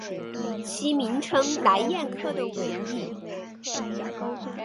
其名称来燕科的尾翼。